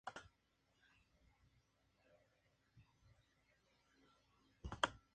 Jefe de capacitación y Entrenamiento: Francisco González.